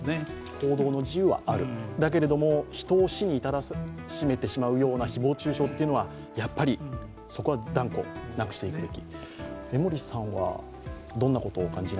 報道の自由はある、だけれども、人を死に至らしめてしまうような誹謗中傷というものはやっぱりそこは断固なくしていくべき。